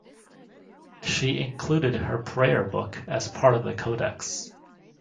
She included her prayer book as part of the codex.